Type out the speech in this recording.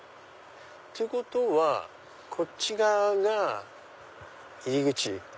ってことはこっち側が入り口。